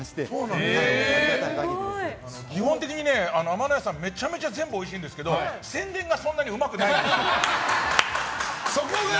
基本的に天乃屋さんめちゃめちゃ全部おいしいんですけど宣伝がそんなにうまくないんですよ。